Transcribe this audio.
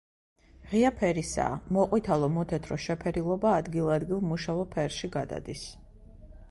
ღია ფერისაა, მოყვითალო-მოთეთრო შეფერილობა ადგილ-ადგილ მოშავო ფერში გადადის.